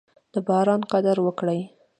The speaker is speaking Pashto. د باران قدر وکړئ.